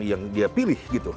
yang dia pilih gitu